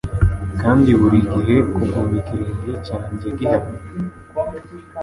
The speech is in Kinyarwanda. kandi burigihe kugumya ikirenge cyanjye gihamye